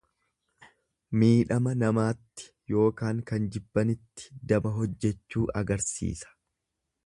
Miidhama namaatti ykn kan jibbanitti daba hojjechuu agarsiisa